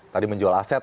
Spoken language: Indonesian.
tadi menjual aset